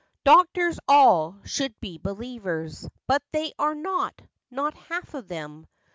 Doctors all should be believers, But they are not—not half of them.